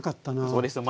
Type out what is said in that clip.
そうですよ。